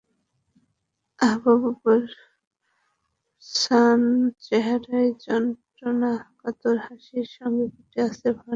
মাহবুবের ম্লান চেহারায় যন্ত্রণাকাতর হাসির সঙ্গে ফুটে আছে ভয়ার্ত একটা ভাব।